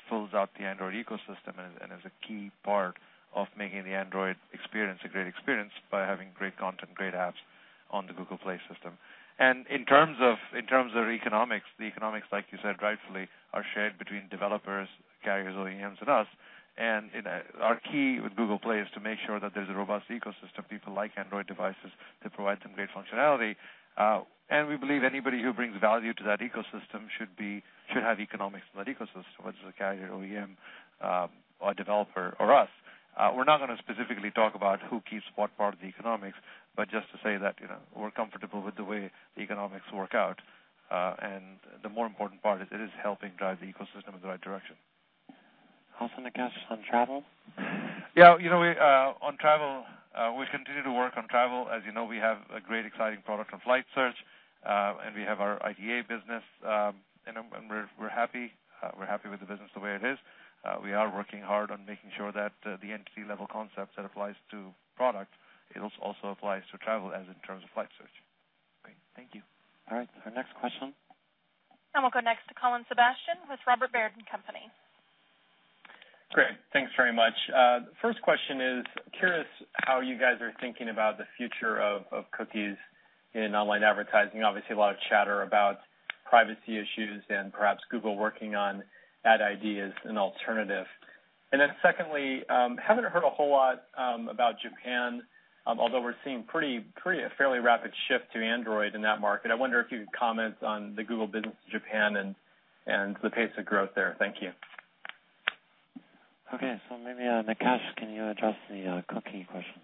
fills out the Android ecosystem and is a key part of making the Android experience a great experience by having great content, great apps on the Google Play system. In terms of economics, the economics, like you said rightfully, are shared between developers, carriers, OEMs, and us. Our key with Google Play is to make sure that there's a robust ecosystem, people like Android devices that provide some great functionality. We believe anybody who brings value to that ecosystem should have economics in that ecosystem, whether it's a carrier, OEM, a developer, or us. We're not going to specifically talk about who keeps what part of the economics, but just to say that we're comfortable with the way the economics work out, and the more important part is it is helping drive the ecosystem in the right direction. Also, Nikesh, on travel? Yeah. On travel, we continue to work on travel. As you know, we have a great, exciting product on Flight Search, and we have our ITA business. And we're happy. We're happy with the business the way it is. We are working hard on making sure that the entity-level concept that applies to product also applies to travel as in terms of flight search. Great. Thank you. All right. Our next question. We'll go next to Colin Sebastian with Robert W. Baird & Co. Great. Thanks very much. First question is, curious how you guys are thinking about the future of cookies in online advertising. Obviously, a lot of chatter about privacy issues and perhaps Google working on ad ideas and alternatives. And then secondly, haven't heard a whole lot about Japan, although we're seeing a fairly rapid shift to Android in that market. I wonder if you could comment on the Google business in Japan and the pace of growth there. Thank you. Okay. So maybe Nikesh, can you address the cookie question?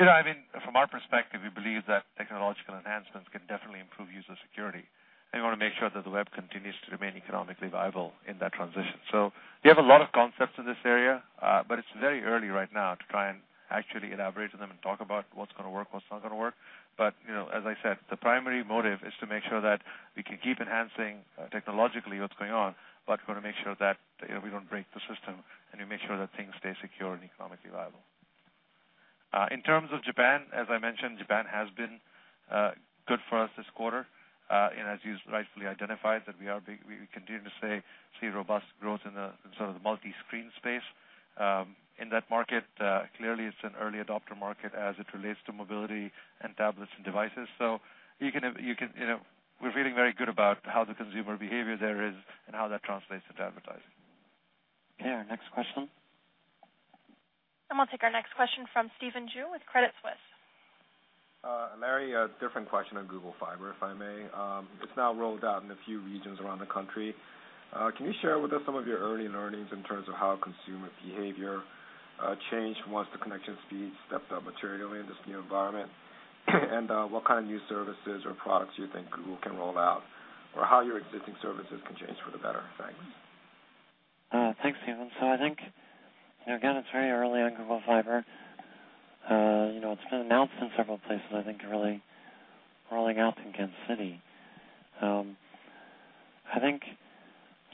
I mean, from our perspective, we believe that technological enhancements can definitely improve user security, and we want to make sure that the web continues to remain economically viable in that transition, so we have a lot of concepts in this area, but it's very early right now to try and actually elaborate on them and talk about what's going to work, what's not going to work. But as I said, the primary motive is to make sure that we can keep enhancing technologically what's going on, but we want to make sure that we don't break the system and we make sure that things stay secure and economically viable. In terms of Japan, as I mentioned, Japan has been good for us this quarter, and as you've rightfully identified, we continue to see robust growth in sort of the multi-screen space in that market. Clearly, it's an early adopter market as it relates to mobility and tablets and devices. So we're feeling very good about how the consumer behavior there is and how that translates into advertising. Okay. Our next question. We'll take our next question from Stephen Ju with Credit Suisse. Larry, a different question on Google Fiber, if I may. It's now rolled out in a few regions around the country. Can you share with us some of your early learnings in terms of how consumer behavior changed once the connection speed stepped up materially in this new environment? And what kind of new services or products do you think Google can roll out or how your existing services can change for the better? Thanks. Thanks, Stephen. So I think, again, it's very early on Google Fiber. It's been announced in several places, I think, really rolling out in Kansas City. I think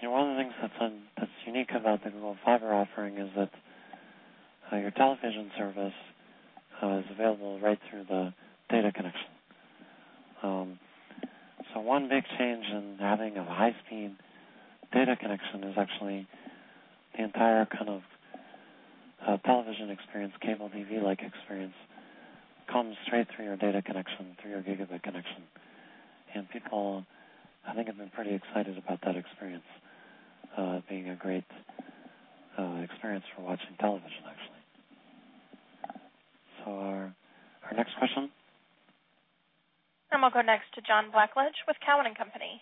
one of the things that's unique about the Google Fiber offering is that your television service is available right through the data connection. So one big change in having a high-speed data connection is actually the entire kind of television experience, cable TV-like experience, comes straight through your data connection, through your gigabit connection. And people, I think, have been pretty excited about that experience being a great experience for watching television, actually. So our next question. We'll go next to John Blackledge with Cowen & Company.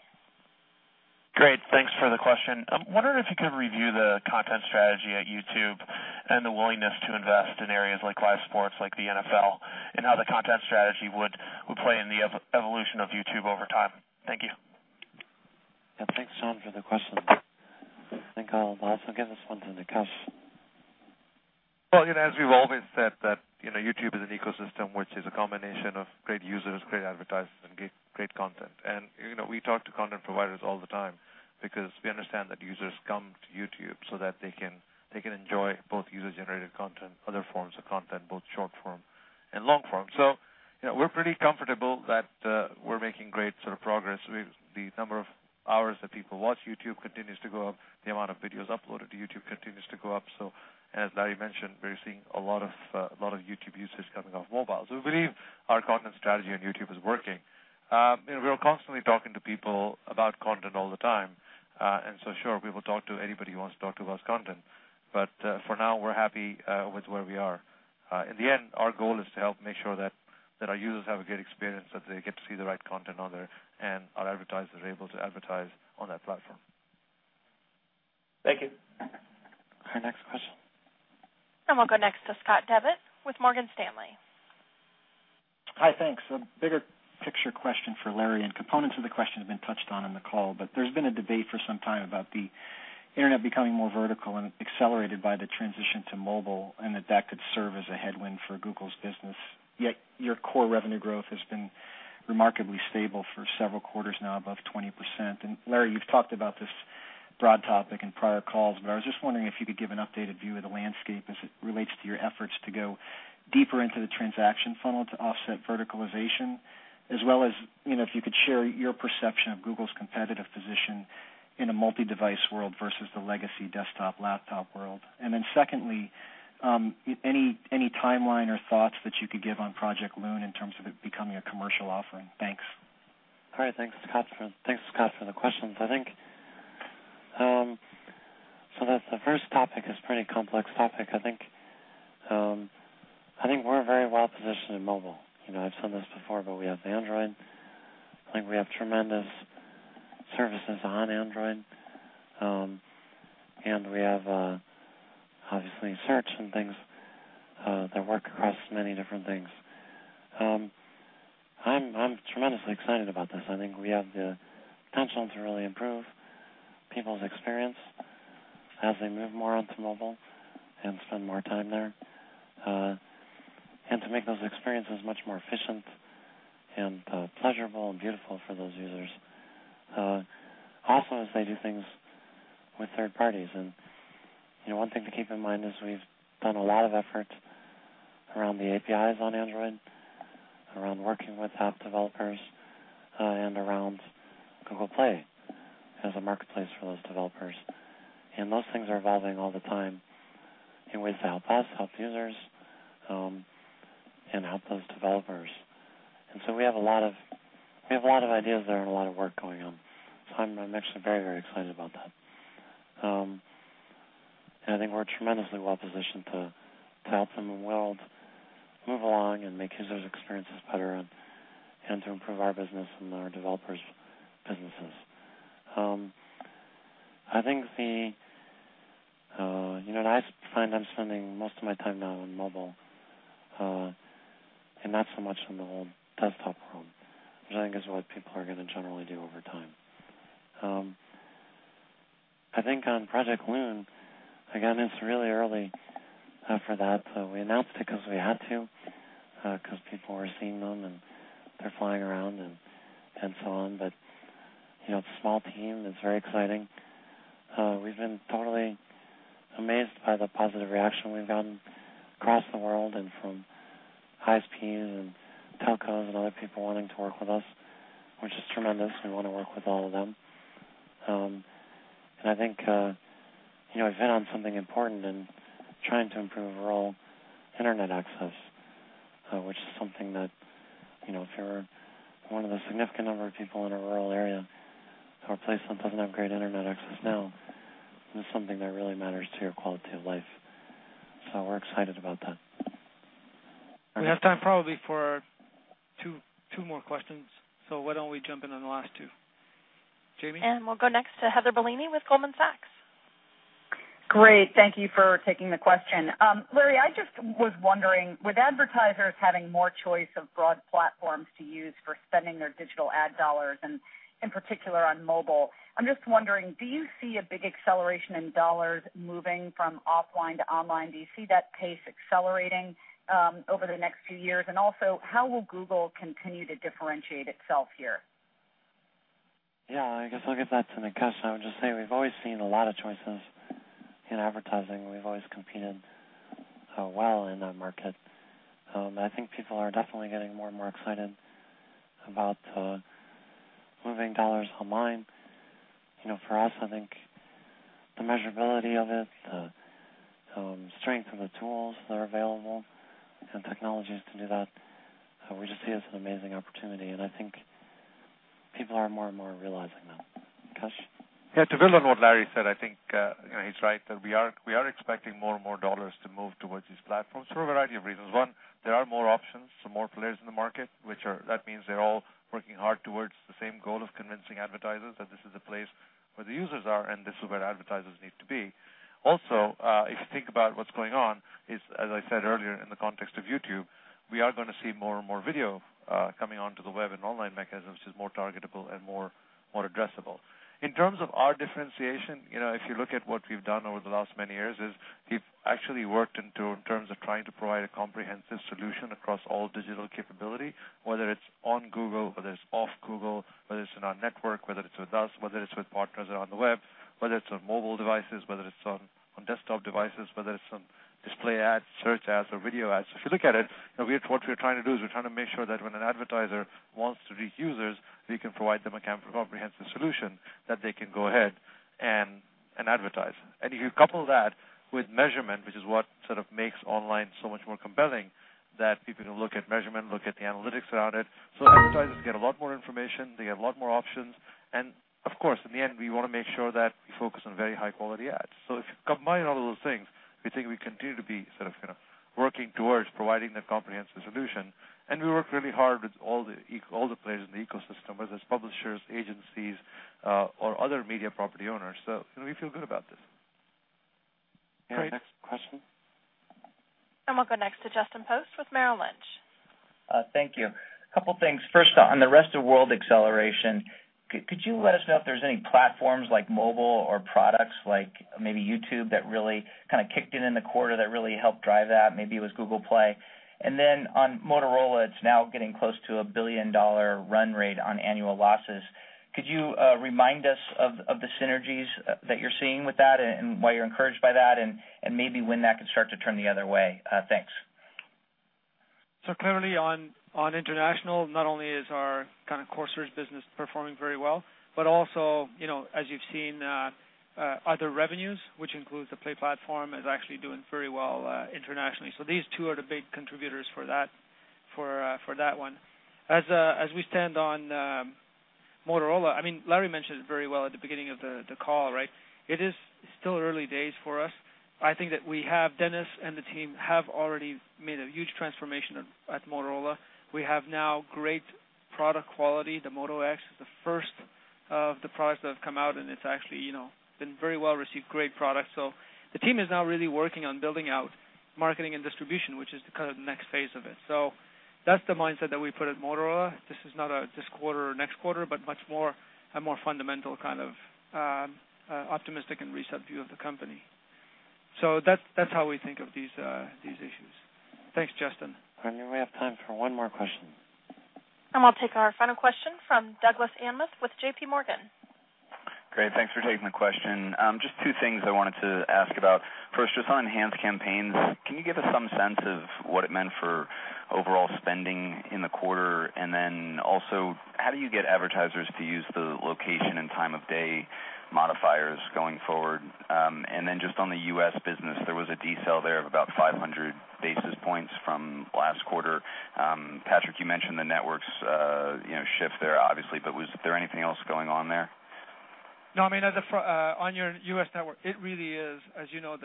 Great. Thanks for the question. I'm wondering if you could review the content strategy at YouTube and the willingness to invest in areas like live sports, like the NFL, and how the content strategy would play in the evolution of YouTube over time? Thank you. Yeah. Thanks, John, for the question. I think I'll also give this one to Nikesh. Well, as we've always said, that YouTube is an ecosystem which is a combination of great users, great advertisers, and great content. And we talk to content providers all the time because we understand that users come to YouTube so that they can enjoy both user-generated content, other forms of content, both short-form and long-form. So we're pretty comfortable that we're making great sort of progress. The number of hours that people watch YouTube continues to go up. The amount of videos uploaded to YouTube continues to go up. So as Larry mentioned, we're seeing a lot of YouTube users coming off mobile. So we believe our content strategy on YouTube is working. We're constantly talking to people about content all the time. And so sure, we will talk to anybody who wants to talk to about content. But for now, we're happy with where we are. In the end, our goal is to help make sure that our users have a great experience, that they get to see the right content on there, and our advertisers are able to advertise on that platform. Thank you. Our next question. We'll go next to Scott Devitt with Morgan Stanley. Hi. Thanks. A bigger picture question for Larry. And components of the question have been touched on in the call, but there's been a debate for some time about the internet becoming more vertical and accelerated by the transition to mobile and that could serve as a headwind for Google's business. Yet your core revenue growth has been remarkably stable for several quarters now, above 20%. And Larry, you've talked about this broad topic in prior calls, but I was just wondering if you could give an updated view of the landscape as it relates to your efforts to go deeper into the transaction funnel to offset verticalization, as well as if you could share your perception of Google's competitive position in a multi-device world versus the legacy desktop laptop world. And then secondly, any timeline or thoughts that you could give on Project Loon in terms of it becoming a commercial offering? Thanks. All right. Thanks, Scott, for the questions. I think so the first topic is a pretty complex topic. I think we're very well positioned in mobile. I've said this before, but we have the Android. I think we have tremendous services on Android. And we have, obviously, search and things that work across many different things. I'm tremendously excited about this. I think we have the potential to really improve people's experience as they move more onto mobile and spend more time there and to make those experiences much more efficient and pleasurable and beautiful for those users, also as they do things with third parties. And one thing to keep in mind is we've done a lot of effort around the APIs on Android, around working with app developers, and around Google Play as a marketplace for those developers. Those things are evolving all the time in ways to help us, help users, and help those developers. So we have a lot of ideas there and a lot of work going on. I'm actually very, very excited about that. I think we're tremendously well positioned to help them move along and make users' experiences better and to improve our business and our developers' businesses. I think, and I find I'm spending most of my time now on mobile and not so much on the whole desktop world, which I think is what people are going to generally do over time. I think on Project Loon, again, it's really early for that. We announced it because we had to because people were seeing them and they're flying around and so on. It's a small team. It's very exciting. We've been totally amazed by the positive reaction we've gotten across the world and from ISPs and telcos and other people wanting to work with us, which is tremendous. We want to work with all of them. And I think we've hit on something important in trying to improve rural internet access, which is something that if you're one of the significant number of people in a rural area or a place that doesn't have great internet access now, it's something that really matters to your quality of life, so we're excited about that. We have time probably for two more questions. So why don't we jump in on the last two? Jamie? We'll go next to Heather Bellini with Goldman Sachs. Great. Thank you for taking the question. Larry, I just was wondering, with advertisers having more choice of broad platforms to use for spending their digital ad dollars and in particular on mobile, I'm just wondering, do you see a big acceleration in dollars moving from offline to online? Do you see that pace accelerating over the next few years? And also, how will Google continue to differentiate itself here? Yeah. I guess I'll give that to Nikesh. I would just say we've always seen a lot of choices in advertising. We've always competed well in that market. I think people are definitely getting more and more excited about moving dollars online. For us, I think the measurability of it, the strength of the tools that are available, and technologies to do that, we just see it as an amazing opportunity. And I think people are more and more realizing that. Nikesh? Yeah. To build on what Larry said, I think he's right that we are expecting more and more dollars to move towards these platforms for a variety of reasons. One, there are more options, so more players in the market, which that means they're all working hard towards the same goal of convincing advertisers that this is the place where the users are and this is where advertisers need to be. Also, if you think about what's going on, as I said earlier, in the context of YouTube, we are going to see more and more video coming onto the web and online mechanisms, which is more targetable and more addressable. In terms of our differentiation, if you look at what we've done over the last many years, we've actually worked in terms of trying to provide a comprehensive solution across all digital capability, whether it's on Google, whether it's off Google, whether it's in our network, whether it's with us, whether it's with partners around the web, whether it's on mobile devices, whether it's on desktop devices, whether it's on display ads, search ads, or video ads, so if you look at it, what we're trying to do is we're trying to make sure that when an advertiser wants to reach users, we can provide them a comprehensive solution that they can go ahead and advertise, and if you couple that with measurement, which is what sort of makes online so much more compelling, that people can look at measurement, look at the analytics around it. So advertisers get a lot more information. They get a lot more options. And of course, in the end, we want to make sure that we focus on very high-quality ads. So if you combine all of those things, we think we continue to be sort of working towards providing that comprehensive solution. And we work really hard with all the players in the ecosystem, whether it's publishers, agencies, or other media property owners. So we feel good about this. Next question. We'll go next to Justin Post with Merrill Lynch. Thank you. A couple of things. First, on the rest of world acceleration, could you let us know if there's any platforms like mobile or products like maybe YouTube that really kind of kicked in in the quarter that really helped drive that? Maybe it was Google Play. And then on Motorola, it's now getting close to a $1 billion-dollar run rate on annual losses. Could you remind us of the synergies that you're seeing with that and why you're encouraged by that and maybe when that could start to turn the other way? Thanks. So clearly, on international, not only is our kind of core search business performing very well, but also, as you've seen, other revenues, which includes the Play platform, is actually doing very well internationally. So these two are the big contributors for that one. As it stands on Motorola, I mean, Larry mentioned it very well at the beginning of the call, right? It is still early days for us. I think that Dennis and the team have already made a huge transformation at Motorola. We have now great product quality. The Moto X is the first of the products that have come out, and it's actually been very well received, great product. So the team is now really working on building out marketing and distribution, which is kind of the next phase of it. So that's the mindset that we put at Motorola. This is not this quarter or next quarter, but much more a more fundamental kind of optimistic and recent view of the company. So that's how we think of these issues. Thanks, Justin. I know we have time for one more question. We'll take our final question from Douglas Anmuth with J.P. Morgan. Great. Thanks for taking the question. Just two things I wanted to ask about. First, just on enhanced campaigns, can you give us some sense of what it meant for overall spending in the quarter? And then also, how do you get advertisers to use the location and time of day modifiers going forward? And then just on the U.S. business, there was a decel there of about 500 basis points from last quarter. Patrick, you mentioned the network's shift there, obviously, but was there anything else going on there? No. I mean, on your U.S. network, it really is, as you know,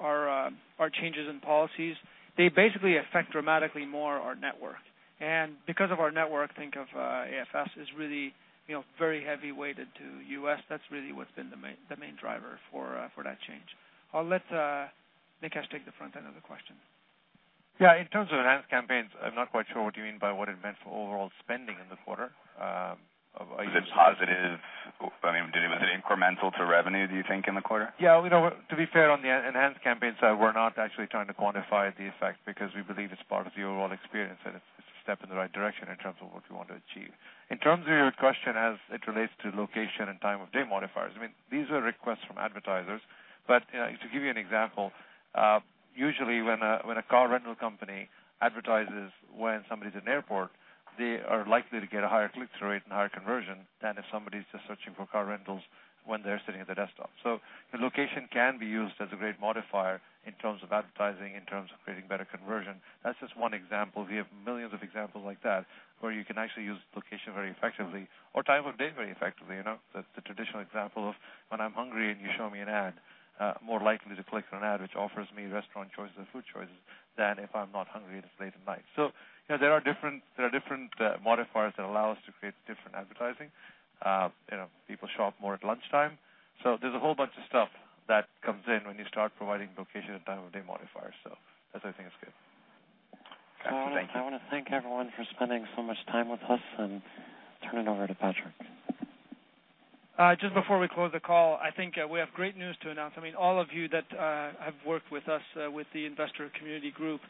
our changes in policies, they basically affect dramatically more our network. And because of our network, think of AFS, is really very heavy weighted to U.S. That's really what's been the main driver for that change. I'll let Nikesh take the front end of the question. Yeah. In terms of Enhanced Campaigns, I'm not quite sure what you mean by what it meant for overall spending in the quarter. Is it positive? I mean, was it incremental to revenue, do you think, in the quarter? Yeah. To be fair, on the Enhanced Campaigns side, we're not actually trying to quantify the effect because we believe it's part of the overall experience, and it's a step in the right direction in terms of what we want to achieve. In terms of your question, as it relates to location and time of day modifiers, I mean, these are requests from advertisers. But to give you an example, usually when a car rental company advertises when somebody's in an airport, they are likely to get a higher click-through rate and higher conversion than if somebody's just searching for car rentals when they're sitting at the desktop. So the location can be used as a great modifier in terms of advertising, in terms of creating better conversion. That's just one example. We have millions of examples like that where you can actually use location very effectively or time of day very effectively. The traditional example of when I'm hungry and you show me an ad, more likely to click on an ad which offers me restaurant choices or food choices than if I'm not hungry and it's late at night. So there are different modifiers that allow us to create different advertising. People shop more at lunchtime. So there's a whole bunch of stuff that comes in when you start providing location and time of day modifiers. So that's why I think it's good. Thank you. I want to thank everyone for spending so much time with us and turn it over to Patrick. Just before we close the call, I think we have great news to announce. I mean, all of you that have worked with us, with the investor community group,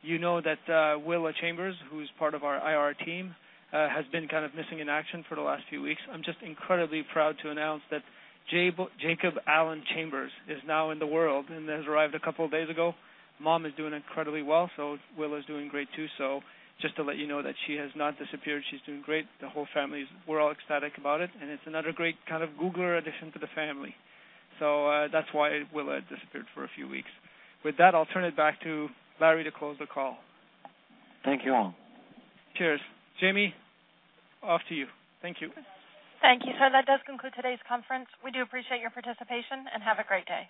you know that Willa Chambers, who's part of our IR team, has been kind of missing in action for the last few weeks. I'm just incredibly proud to announce that Jacob Allen Chambers is now in the world and has arrived a couple of days ago. Mom is doing incredibly well, so Willa is doing great too, so just to let you know that she has not disappeared. She's doing great, the whole family is, we're all ecstatic about it, and it's another great kind of Googler addition to the family, so that's why Willa had disappeared for a few weeks. With that, I'll turn it back to Larry to close the call. Thank you all. Cheers. Jamie, off to you. Thank you. Thank you. So that does conclude today's conference. We do appreciate your participation and have a great day.